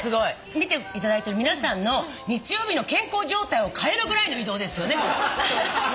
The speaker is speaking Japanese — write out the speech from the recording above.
見ていただいてる皆さんの日曜日の健康状態を変えるぐらいの移動ですよね。